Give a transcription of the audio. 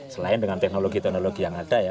selain dengan teknologi teknologi yang ada ya